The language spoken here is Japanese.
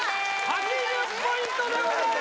８０ポイントでございます